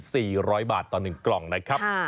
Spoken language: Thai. ร้อยบาทต่อหนึ่งกล่องนะครับ